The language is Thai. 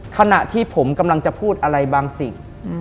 ขณะที่ผมกำลังจะพูดอะไรบางสิ่ง